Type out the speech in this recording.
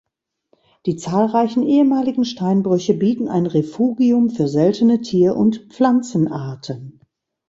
Die zahlreichen ehemaligen Steinbrüche bieten ein Refugium für seltene Tier und Pflanzenarten.